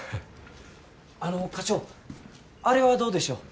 あの課長あれはどうでしょう。